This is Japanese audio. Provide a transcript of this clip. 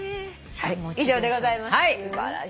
はい以上でございます。